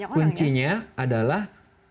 ya mungkin pertanyaan banyak orang ya